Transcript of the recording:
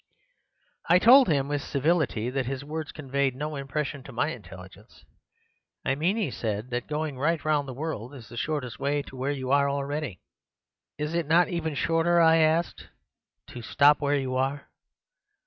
"I told him with civility that his words conveyed no impression to my intelligence. 'I mean,' he said, 'that going right round the world is the shortest way to where you are already.' "'Is it not even shorter,' I asked, 'to stop where you are?